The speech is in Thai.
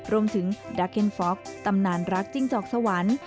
รวมถึงดาเคนฟ็อกตำนานรักจิ้งจอกสวรรค์